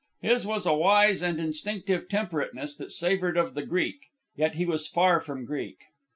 His was a wise and instinctive temperateness that savoured of the Greek. Yet he was far from Greek.